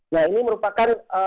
nah ini merupakan